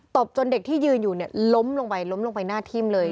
ตบจนเด็กที่ยืนอยู่เนี่ยล้มลงไปล้มลงไปหน้าทิ่มเลย